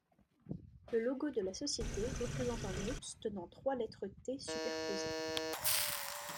Le logo de la société représente un ours tenant trois lettres T superposées.